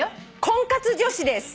「婚活女子です」